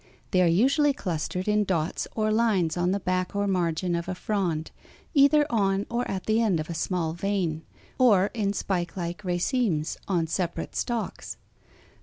4). They are usually clustered in dots or lines on the back or margin of a frond, either on or at the end of a small vein, or in spike like racemes on separate stalks.